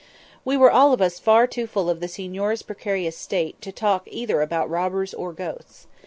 We were all of us far too full of the signor's precarious state to talk either about robbers or ghosts.